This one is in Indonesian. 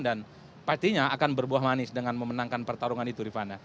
dan pastinya akan berbuah manis dengan memenangkan pertarungan itu rifana